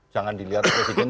jangan dilihat presiden